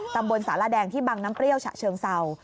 ตำบลสารแดงที่บังน้ำเปรี้ยวฉะเชิงเศร้า